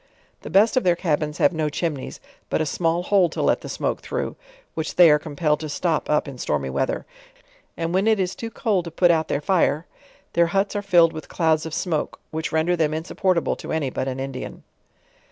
The best of their cabins have no chimneys, but a small hole to let the smoke through, which they are compelled to top up in stormy weather; arid when it is too cold to put out their fire, their huts are filled with clouds of smoke, which render them insupportable to any but an Indian.